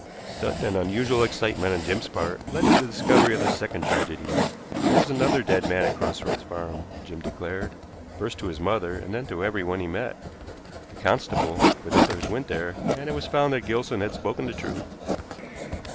Sudden and unusual excitement on Jim's part led to the discovery of the second tragedy. There was another dead man at Cross Roads Farm, Jim declared, first to his mother and then to everyone he met. The constable, with others, went there, and it was found that Gilson had spoken the truth.